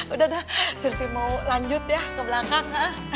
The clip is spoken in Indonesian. udah udah surti mau lanjut ya ke belakang